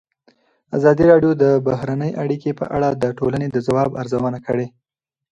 ازادي راډیو د بهرنۍ اړیکې په اړه د ټولنې د ځواب ارزونه کړې.